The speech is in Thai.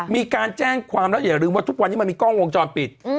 มีการแจ้งความแล้วอย่าลืมว่าทุกวันนี้มันมีกล้องวงจรปิด